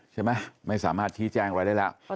ใช่ไหมไม่สามารถชี้แจ้งอะไรได้แล้ว